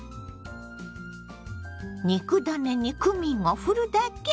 肉ダネにクミンをふるだけ！